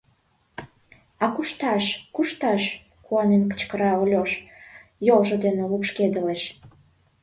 — А кушташ, кушташ? — куанен кычкыра Ольош, йолжо дене лупшкедылеш.